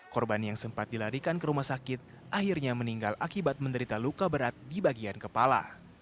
korban yang sempat dilarikan ke rumah sakit akhirnya meninggal akibat menderita luka berat di bagian kepala